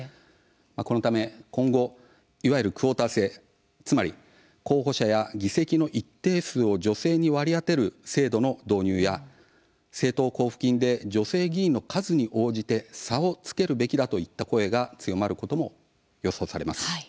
このため今後いわゆるクオータ制つまり候補者や議席の一定数を女性に割り当てる制度の導入や政党交付金で女性議員の数に応じて差をつけるべきだといった声が強まることも予想されます。